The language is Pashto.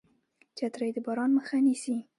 چترۍ د باران مخه نیسي